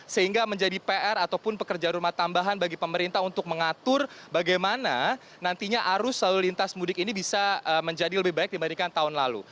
sehingga menjadi pr ataupun pekerja rumah tambahan bagi pemerintah untuk mengatur bagaimana nantinya arus lalu lintas mudik ini bisa menjadi lebih baik dibandingkan tahun lalu